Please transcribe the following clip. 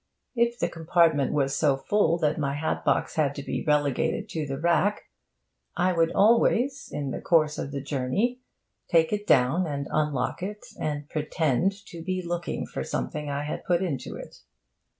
If the compartment was so full that my hat box had to be relegated to the rack, I would always, in the course of the journey, take it down and unlock it, and pretend to be looking for something I had put into it.